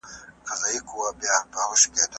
زده کوونکي په ډلو کي کار کوي.